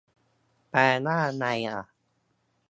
แปลว่าไรอ่ะ